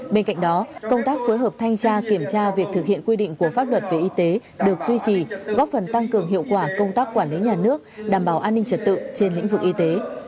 bên cạnh đó công tác phối hợp thanh tra kiểm tra việc thực hiện quy định của pháp luật về y tế được duy trì góp phần tăng cường hiệu quả công tác quản lý nhà nước đảm bảo an ninh trật tự trên lĩnh vực y tế